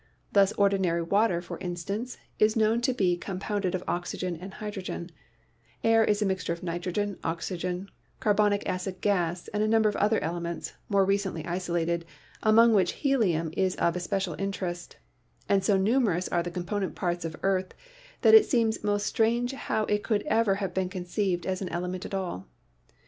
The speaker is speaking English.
Thus ordinary water, for instance, is known to be compounded of oxygen and hydrogen ; air is a mixture of nitrogen, oxygen, carbonic acid gas and a number of other elements more recently isolated, among which helium is of especial interest ; and so numerous are the component parts of earth that it seems most strange how it ever could have been conceived as an element at all.